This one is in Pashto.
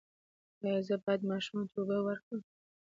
ایا زه باید ماشوم ته اوبه ورکړم؟